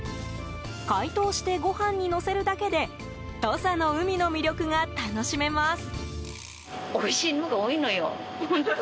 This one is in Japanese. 解凍してご飯にのせるだけで土佐の海の魅力が楽しめます。